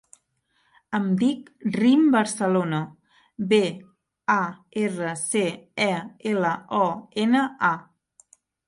Em dic Rim Barcelona: be, a, erra, ce, e, ela, o, ena, a.